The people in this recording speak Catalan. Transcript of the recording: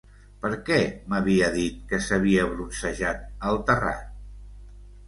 Per què m'havia dit que s'havia bronzejat al terrat?